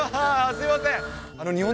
すみません。